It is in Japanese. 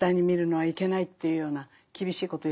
はい。